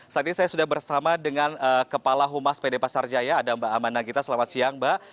saat ini saya sudah bersama dengan kepala humas pd pasar jaya ada mbak aman nagita selamat siang mbak